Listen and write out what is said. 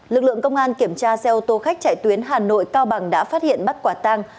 lực lượng công an kiểm tra xe ô tô khách chạy tuyến hà nội cao bằng đã phát hiện bắt quả tăng